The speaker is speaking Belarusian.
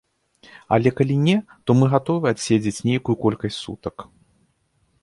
Але калі не, то мы гатовыя адседзець нейкую колькасць сутак!